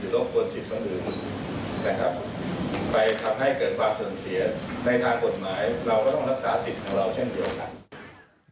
ในทางกฏหมายเราก็ต้องรักษาสิทธิ์ของเราเช่นเดียวกัน